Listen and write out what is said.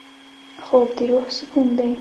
خوب د روح سکون دی